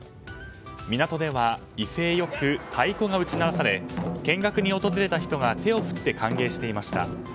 港では威勢よく太鼓が打ち鳴らされ見学に訪れた人が手を振って歓迎していました。